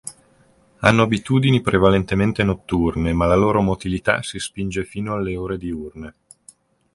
Hanno abitudini prevalentemente notturne ma la loro motilità si spinge fino alle ore diurne.